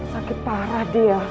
sakit parah dia